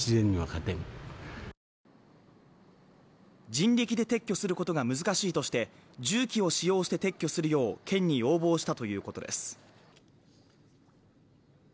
人力で撤去することが難しいとして重機を使用して撤去するよう県に要望したということです